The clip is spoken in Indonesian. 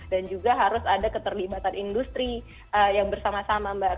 dan juga harus ada keterlibatan industri yang bersama sama mbak